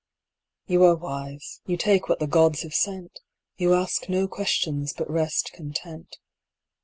You are wise; you take what the Gods have sent. You ask no questions, but rest content.